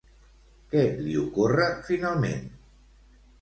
Què li ocorre finalment?